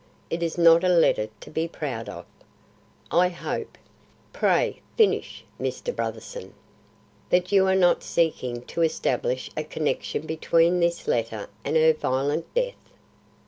It is not a letter to be proud of. I hope " "Pray finish, Mr. Brotherson." "That you are not seeking to establish a connection between this letter and her violent death?"